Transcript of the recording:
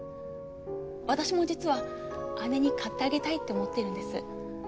私も実は姉に買ってあげたいって思ってるんです。